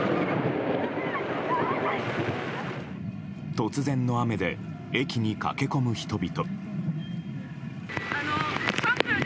突然の雨で駅に駆け込む人々。